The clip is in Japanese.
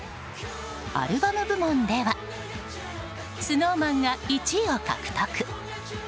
アルバム部門ではＳｎｏｗＭａｎが１位を獲得。